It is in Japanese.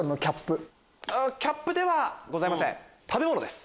キャップではございません食べ物です。